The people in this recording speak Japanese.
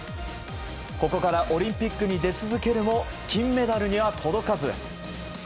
ここからオリンピックに出続けるも、金メダルには届かず。